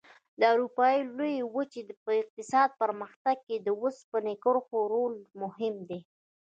د اروپا لویې وچې په اقتصادي پرمختګ کې د اوسپنې کرښو رول مهم دی.